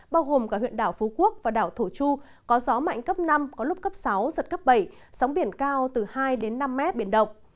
bao gồm cả huyện đảo phú quốc và đảo thổ chu có gió mạnh cấp năm có lúc cấp sáu giật cấp bảy sóng biển cao từ hai đến năm mét biển động